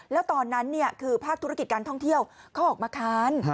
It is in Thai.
แล้วตอนนั้นคือภาคธุรกิจการท่องเที่ยวเขาออกมาค้าน